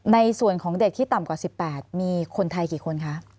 ในส่วนของเด็กที่ต่ำกว่า๑๘มีคนไทยกี่คนคะ